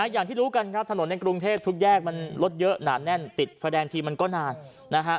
อย่างที่รู้กันครับถนนในกรุงเทพทุกแยกมันรถเยอะหนาแน่นติดไฟแดงทีมันก็นานนะฮะ